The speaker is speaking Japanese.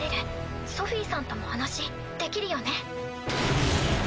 ソフィさんとも話できるよね。